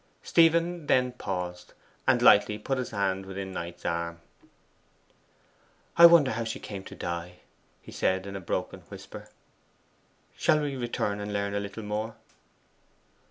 Stephen then paused, and lightly put his hand within Knight's arm. 'I wonder how she came to die,' he said in a broken whisper. 'Shall we return and learn a little more?